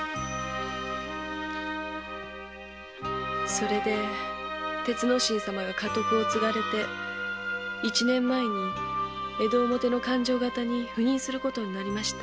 それで鉄之進様が家督を継がれて一年前に江戸表の勘定方に赴任することになりました。